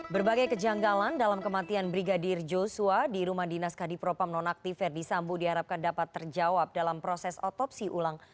berbagai kejanggalan dalam kematian brigadir joshua di rumah dinas kadipropam nonaktif verdi sambo diharapkan dapat terjawab dalam proses otopsi ulang